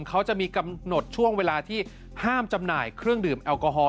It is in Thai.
เขาจะมีกำหนดช่วงเวลาที่ห้ามจำหน่ายเครื่องดื่มแอลกอฮอล